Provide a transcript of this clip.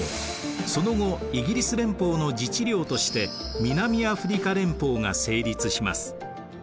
その後イギリス連邦の自治領として南アフリカ連邦が成立します。